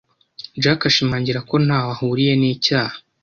Jack ashimangira ko ntaho ahuriye nicyaha.